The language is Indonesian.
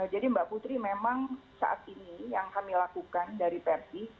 jadi mbak putri memang saat ini yang kami lakukan dari persi